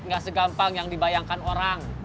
jadi corbat gak segampang yang dibayangkan orang